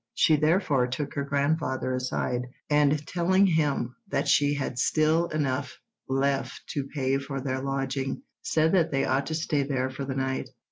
She therefore took her grandfather aside, and telling him that she had still enough left to pay for their lodging, said that they ought to stay there for the night.